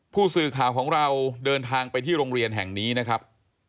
ผู้สื่อข่าวของเราเดินทางไปที่โรงเรียนแห่งนี้นะครับ